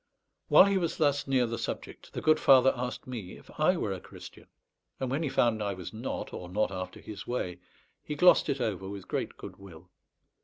While he was thus near the subject, the good father asked me if I were a Christian; and when he found I was not, or not after his way, he glossed it over with great good will.